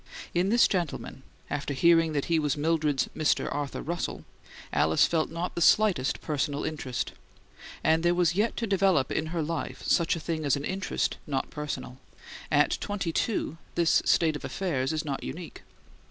In this gentleman, after hearing that he was Mildred's Mr. Arthur Russell, Alice felt not the slightest "personal interest"; and there was yet to develop in her life such a thing as an interest not personal. At twenty two this state of affairs is not unique.